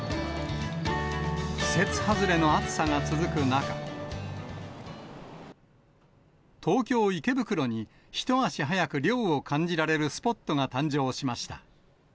季節外れの暑さが続く中、東京・池袋に一足早く涼を感じられるスポットが誕生しました。